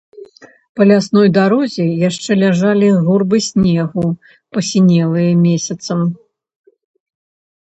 Па лясной дарозе яшчэ ляжалі гурбы снегу, пасінелыя месяцам.